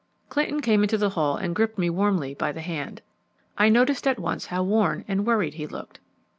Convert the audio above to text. Clinton came into the hall and gripped me warmly by the hand. I noticed at once how worn and worried he looked.